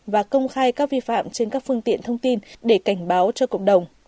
và công khai các vi phạm trên các phương tiện thông tin để cảnh báo cho cộng đồng